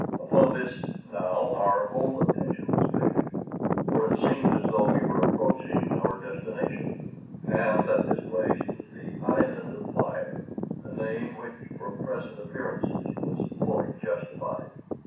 Upon this now our whole attention was fixed; for it seemed as though we were approaching our destination, and that this place was the Island of Fire a name which, from present appearances, was fully justified.